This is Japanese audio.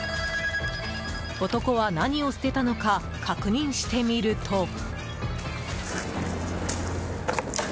男は何を捨てたのか確認してみると。